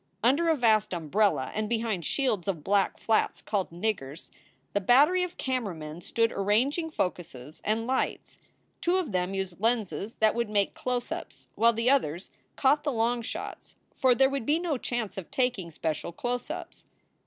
Under a vast umbrella, and behind shields of black flats called "niggers, " the battery of camera men stood arranging focuses and lights. Two of them used lenses that would make close ups, while the others caught the long shots, for there would be no chance of taking special close ups.